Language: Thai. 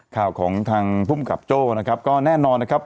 ข่าวของทางภูมิกับโจ้นะครับก็แน่นอนนะครับ